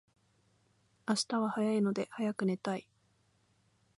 明日は早いので早く寝たい